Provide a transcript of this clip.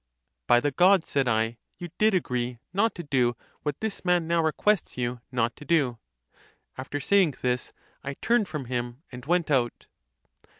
By the gods, said J, you (did agree not to do) what this man now requests you not todo. After saying this, I turned from him and went out.